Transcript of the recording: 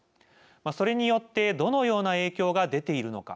それによってどのような影響が出ているのか。